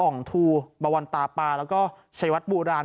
่องทูบวันตาปาแล้วก็ชัยวัดโบราณ